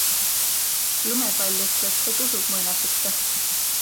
Lumepall ütles, et usub muinasjutte.